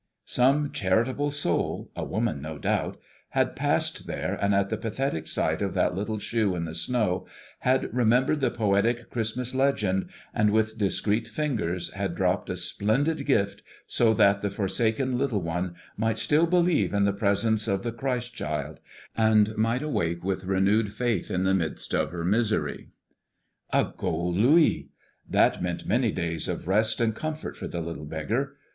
Some charitable soul a woman, no doubt had passed there, and at the pathetic sight of that little shoe in the snow had remembered the poetic Christmas legend, and with discreet fingers had dropped a splendid gift, so that the forsaken little one might still believe in the presents of the Child Christ, and might awake with renewed faith in the midst of her misery. A gold louis! That meant many days of rest and comfort for the little beggar.